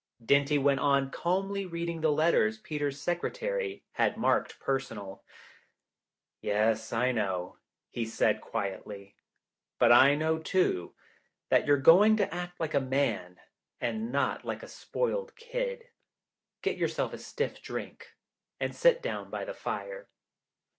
Dinty went on calmly reading the letters Peter's secretary had marked personal. "Yes, I know," he said quietly, "but I know, too, that you're going to act like a man and not like a spoiled kid. Get yourself a stiff drink]and sit down by the fire."